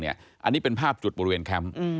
อันนี้เป็นภาพจุดบริเวณแคมป์